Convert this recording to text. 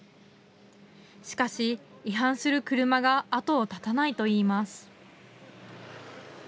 しかし違反する車が後を絶たないといいます。